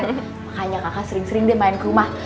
makanya kakak sering sering deh main ke rumah